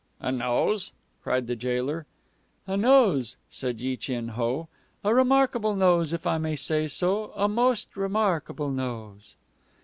"A nose!" cried the jailer. "A nose," said Yi Chin Ho. "A remarkable nose, if I may say so, a most remarkable nose."